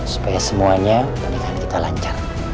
supaya semuanya pendidikan kita lancar